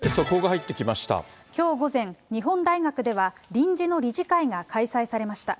きょう午前、日本大学では臨時の理事会が開催されました。